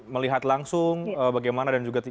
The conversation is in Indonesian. melihat langsung bagaimana dan juga